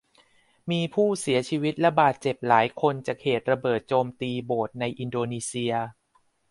มีผู้เสียชีวิตและเจ็บหลายคนจากเหตุระเบิดโจมตีโบสถ์ในอินโดนีเซีย